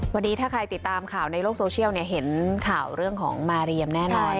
วันนี้ถ้าใครติดตามข่าวในโลกโซเชียลเห็นข่าวเรื่องของมาเรียมแน่นอน